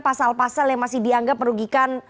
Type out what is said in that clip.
pasal pasal yang masih dianggap merugikan